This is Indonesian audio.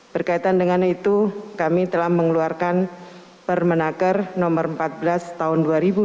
berkaitan dengan itu kami telah mengeluarkan permenaker no empat belas tahun dua ribu dua puluh